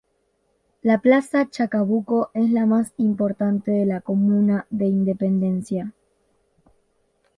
La Plaza Chacabuco es la más importante de la comuna de Independencia.